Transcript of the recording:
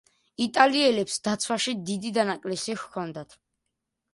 იტალიელებს დაცვაში დიდი დანაკლისი ჰქონდათ.